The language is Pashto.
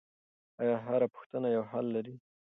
آیا هره پوښتنه یو حل لري؟